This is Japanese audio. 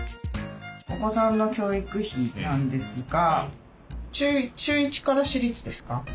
お子さんの教育費なんですが中１から私立ですか？